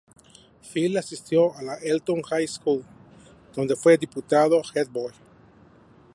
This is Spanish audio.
Phil asistió a la Elton High School, donde fue Diputado Head Boy.